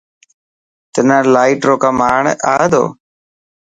تنا لائٽ رو ڪم آڻي تو.